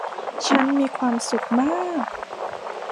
ฉันมีความสุขมาก !